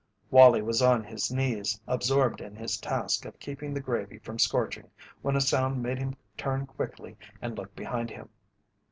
Wallie was on his knees absorbed in his task of keeping the gravy from scorching when a sound made him turn quickly and look behind him.